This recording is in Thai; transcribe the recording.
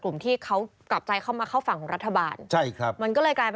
กลุ่มสู่การกลับใจเข้าฝั่งกับรัฐบาล